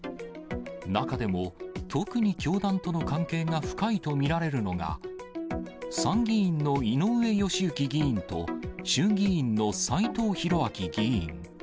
中でも、特に教団との関係が深いと見られるのが、参議院の井上義行議員と衆議院の斎藤洋明議員。